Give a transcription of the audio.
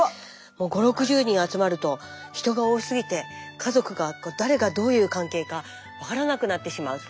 もう５０６０人集まると人が多すぎて家族が誰がどういう関係か分からなくなってしまうと。